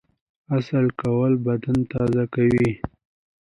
غسل کول بدن تازه کوي